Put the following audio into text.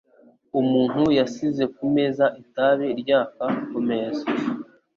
Umuntu yasize kumeza itabi ryaka kumeza.